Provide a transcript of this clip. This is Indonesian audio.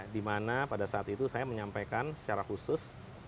di mana pada saat itu saya menyampaikan secara khusus